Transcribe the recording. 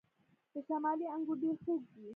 د شمالی انګور ډیر خوږ دي.